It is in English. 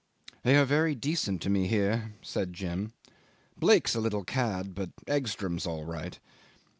"They are very decent to me here," said Jim. "Blake's a little cad, but Egstrom's all right."